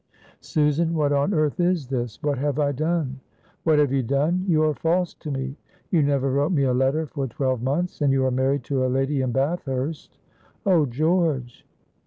"Susan, what on earth is this? what have I done?" "What have you done? You are false to me! you never wrote me a letter for twelve months, and you are married to a lady in Bathurst! Oh, George!"